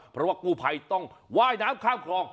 เพราะว่ากู้ภัยต้องว่ายน้ำข้ามคลอง